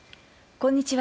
こんにちは。